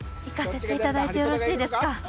いかせていただいてよろしいですか？